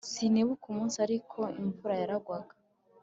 Sinibuka umunsi ariko imvura yaragwaga